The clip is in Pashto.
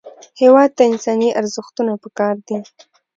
هېواد ته انساني ارزښتونه پکار دي